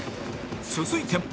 続いても